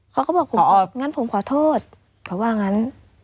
เขาก็บอกผมงั้นผมขอโทษเขาว่างั้น